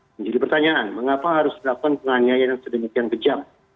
menjadi pertanyaan mengapa harus dilakukan penganiayaan yang sedemikian kejam